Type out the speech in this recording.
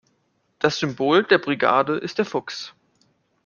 Das Symbol der Brigade ist der Fuchs.